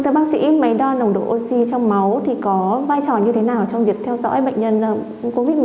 thưa bác sĩ máy đo nồng độ oxy trong máu thì có vai trò như thế nào trong việc theo dõi bệnh nhân covid một mươi chín